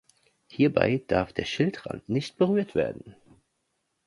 Hierbei darf der Schildrand nicht berührt werden.